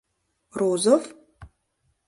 Розов?